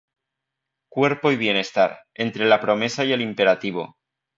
Cuerpo y bienestar: entre la promesa y el imperativo.